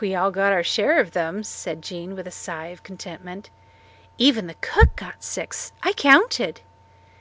"We all got our share of them," said Jean with a sigh of content. "Even the cook got six I counted."